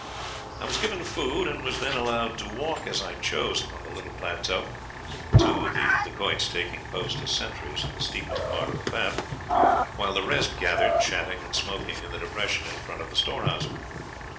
"I was given food, and was then allowed to walk as I chose upon the little plateau, two of the Dacoits taking post as sentries at the steepest part of the path, while the rest gathered, chatting and smoking, in the depression in front of the storehouse.